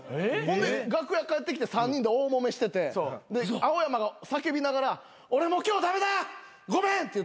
ほんで楽屋帰ってきて３人で大もめしててで青山が叫びながら「俺もう今日駄目だごめん」って言ってました。